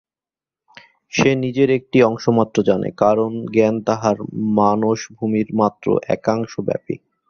সে নিজের একটি অংশমাত্র জানে, কারণ জ্ঞান তাঁহার মানসভূমির মাত্র একাংশব্যাপী।